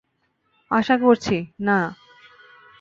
আশা করছি, না!